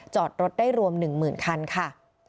จอดรถได้รวม๑หมื่นคันค่ะ